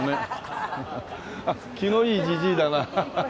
ハハ気のいいじじいだなあ。